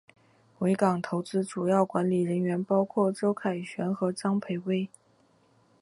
维港投资主要管理人员包括周凯旋和张培薇。